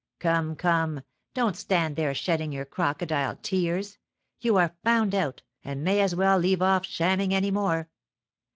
Come, come; don't stand there shedding your crocodile tears; you are found out, and may as well leave off shamming any more.